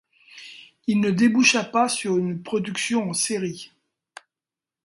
Il ne déboucha pas sur une production en série.